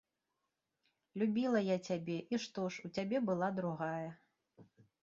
Любіла я цябе, і што ж, у цябе была другая.